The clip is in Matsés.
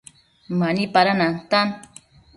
Mani pada nantan